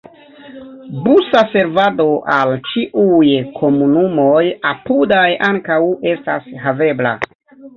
Busa servado al ĉiuj komunumoj apudaj ankaŭ estas havebla.